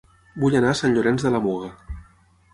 Vull anar a Sant Llorenç de la Muga